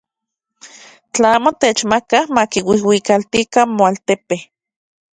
Tla amo techmakaj, makiuiuikaltikan namoaltepe.